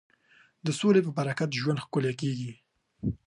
د سولې په برکت ژوند ښکلی کېږي.